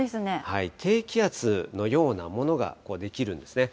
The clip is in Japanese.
低気圧のようなものが出来るんですね。